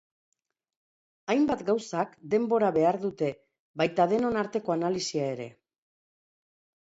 Hainbat gauzak denbora behar dute, baita denon arteko analisia ere.